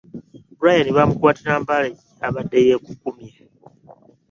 Brian baamukwatira Mbale gy'abadde yeekukumye